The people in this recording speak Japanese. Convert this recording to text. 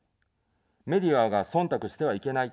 メディアがそんたくしてはいけない。